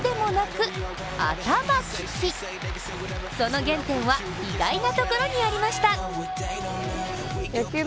その原点は意外なところにありました。